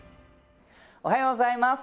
おはようございます！